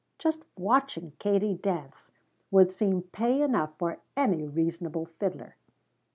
Just watching Katie dance would seem pay enough for any reasonable fiddler.